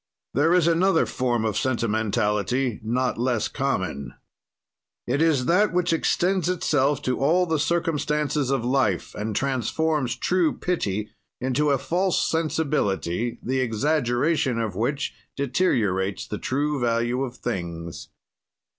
"There is another form or sentimentality not less common. "It is that which extends itself to all the circumstances of life and transforms true pity into a false sensibility, the exaggeration of which deteriorates the true value of things.